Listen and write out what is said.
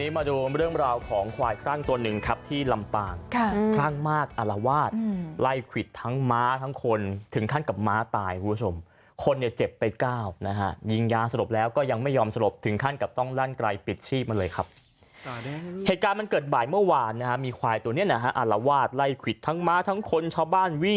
มาดูเรื่องราวของควายคลั่งตัวหนึ่งครับที่ลำปางค่ะคลั่งมากอารวาสไล่ควิดทั้งม้าทั้งคนถึงขั้นกับม้าตายคุณผู้ชมคนเนี่ยเจ็บไปเก้านะฮะยิงยาสลบแล้วก็ยังไม่ยอมสลบถึงขั้นกับต้องลั่นไกลปิดชีพมาเลยครับเหตุการณ์มันเกิดบ่ายเมื่อวานนะฮะมีควายตัวเนี้ยนะฮะอารวาสไล่ควิดทั้งม้าทั้งคนชาวบ้านวิ่ง